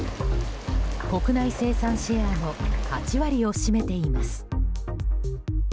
国内生産シェアの８割を占めています。